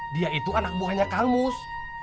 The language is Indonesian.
dia itu anak buahnya kang mus